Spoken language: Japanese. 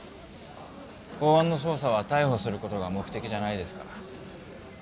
公安の捜査は逮捕する事が目的じゃないですから。